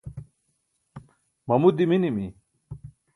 mamu diminimi